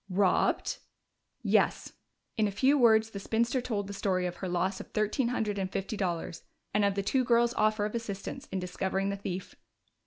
"Robbed?" "Yes." In a few words the spinster told the story of her loss of thirteen hundred and fifty dollars, and of the two girls' offer of assistance in discovering the thief.